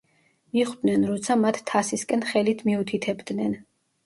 მიხვდნენ, როცა მათ თასისკენ ხელით მიუთითებდნენ.